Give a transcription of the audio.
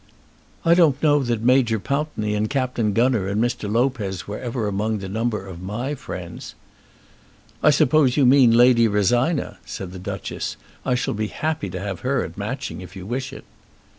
"I don't know that Major Pountney, and Captain Gunner, and Mr. Lopez were ever among the number of my friends." "I suppose you mean Lady Rosina?" said the Duchess. "I shall be happy to have her at Matching if you wish it."